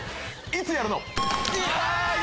いつやるの？